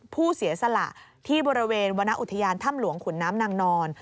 ผู้เสียสละที่บริเวณวรรณอุทยานถ้ำหลวงขุนน้ำนางนอน